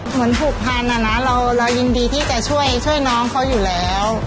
ผูกพันนะนะเรายินดีที่จะช่วยน้องเขาอยู่แล้ว